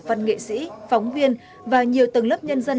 văn nghệ sĩ phóng viên và nhiều tầng lớp nhân dân